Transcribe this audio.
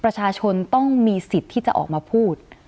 ประชาชนต้องมีสิทธิ์ที่จะออกมาพูด